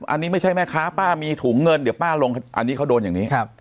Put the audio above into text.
อันนี้ไม่ใช่แม่ค้าป้ามีถุงเงินเดี๋ยวป้าลงอันนี้เขาโดนอย่างนี้